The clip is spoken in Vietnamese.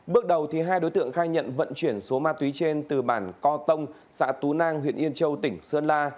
bước đầu hai đối tượng khai nhận vận chuyển số ma túy trên từ bản co tông xã tú nang huyện yên châu tỉnh sơn la